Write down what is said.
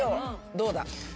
どうだ？